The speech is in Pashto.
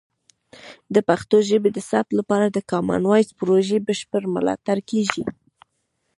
د پښتو ژبې د ثبت لپاره د کامن وایس پروژې بشپړ ملاتړ کیږي.